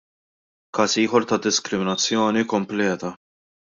Każ ieħor ta' diskriminazzjoni kompleta.